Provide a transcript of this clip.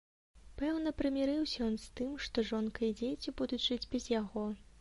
Пэўна, прымірыўся ён з тым, што жонка і дзеці будуць жыць без яго.